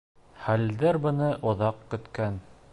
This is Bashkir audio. Хәлилдәр быны оҙаҡ көткән.